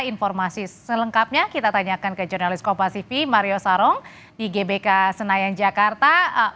informasi selengkapnya kita tanyakan ke jurnalis kopasifi mario sarong di gbk senayan jakarta